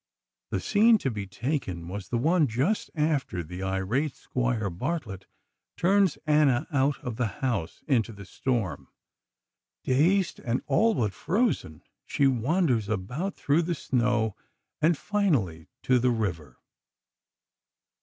The scene to be taken was the one just after the irate Squire Bartlett turns Anna out of the house into the storm. Dazed and all but frozen, she wanders about through the snow, and finally to the river.